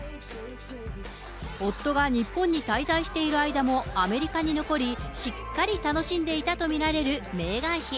夫が日本に滞在している間もアメリカに残り、しっかり楽しんでいたと見られるメーガン妃。